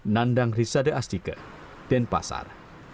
nandang rizadeh astike denpasar